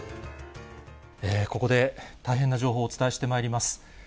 ここで大変な情報をお伝えしてまいります。